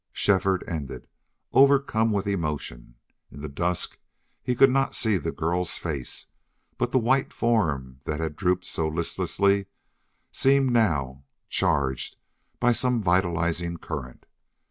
Shefford ended, overcome with emotion. In the dusk he could not see the girl's face, but the white form that had drooped so listlessly seemed now charged by some vitalizing current.